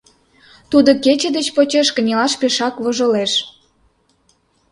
Тудо кече деч почеш кынелаш пешакак вожылеш.